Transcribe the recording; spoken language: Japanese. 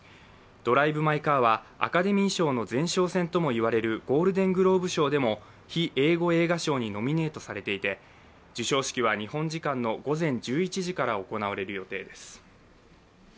「ドライブ・マイ・カー」はアカデミー賞の前哨戦ともいわれるゴールデングローブ賞でも非英語映画賞にノミネートされていて授賞式は日本時間の午前１１時から行われる予定です。